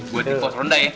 buat di pos rendah ya